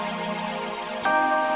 mau beli buang semua